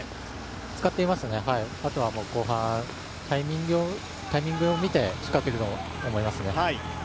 使っていますね、あとは後半、タイミングを見て、仕掛けると思いますね。